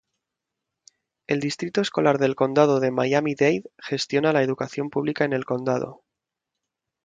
El distrito escolar del Condado de Miami-Dade gestiona la educación pública en el condado.